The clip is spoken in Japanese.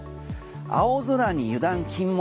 青空に油断禁物。